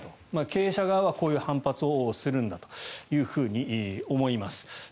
経営者側はこういう反発をするんだと思います。